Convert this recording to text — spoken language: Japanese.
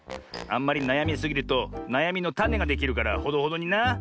あんまりなやみすぎるとなやみのタネができるからほどほどにな。